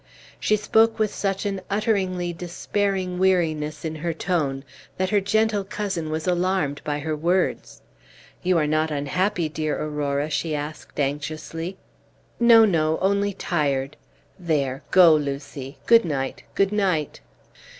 She spoke with such an utterly despairing weariness in her tone, that her gentle cousin was alarmed by her words. "You are not unhappy, dear Aurora?" she asked, anxiously. "No, no, only tired. There, go, Lucy. Good night, good night."